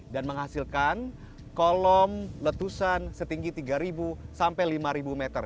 dan menghasilkan kolom letusan setinggi tiga sampai lima meter